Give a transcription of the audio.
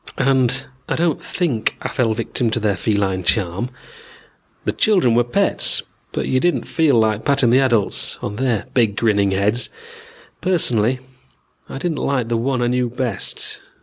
"And don't think I fell victim to their feline charm. The children were pets, but you didn't feel like patting the adults on their big grinning heads. Personally I didn't like the one I knew best.